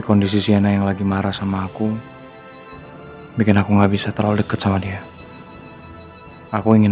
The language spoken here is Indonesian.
kondisi siana yang lagi marah sama aku bikin aku nggak bisa terlalu dekat sama dia aku ingin